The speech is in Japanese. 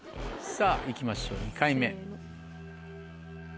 さぁ行きましょう２回目。